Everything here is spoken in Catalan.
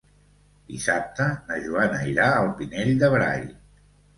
Dissabte na Joana irà al Pinell de Brai.